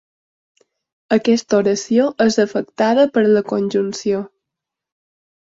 Aquesta oració és afectada per la conjunció.